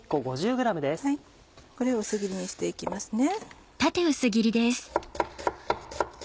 これを薄切りにして行きますね。